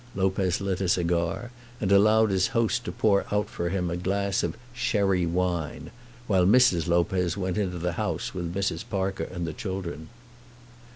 Lopez lit a cigar, and allowed his host to pour out for him a glass of "sherry wine," while Mrs. Lopez went into the house with Mrs. Parker and the children.